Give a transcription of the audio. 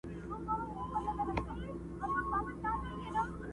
لکه جوړه له مرمرو نازنینه،